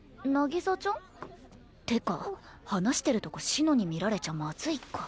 渚ちゃん？ってか話してるとこ紫乃に見られちゃまずいか。